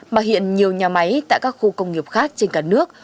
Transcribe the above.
mà hiện nhiều nhà máy tại các khu công nghiệp khác trên cả nước